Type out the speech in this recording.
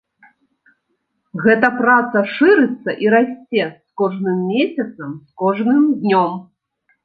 Гэта праца шырыцца і расце з кожным месяцам, з кожным днём.